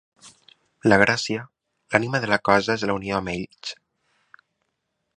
La gràcia, l’ànima de la cosa és la unió amb ells.